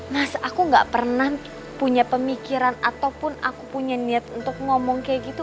mas aku gak pernah punya pemikiran ataupun aku punya niat untuk ngomong kayak gitu